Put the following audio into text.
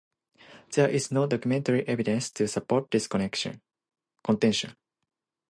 There is no documentary evidence to support this contention.